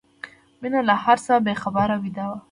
مينه له هر څه بې خبره ویده وه